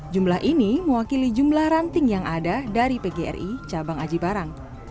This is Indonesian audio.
jumlah ini mewakili jumlah ranting yang ada dari pgri cabang aji barang